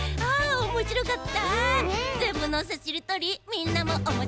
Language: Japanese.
おもしろかった！